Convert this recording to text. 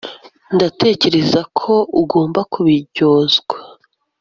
ndatekereza ko ugomba kubiryozwa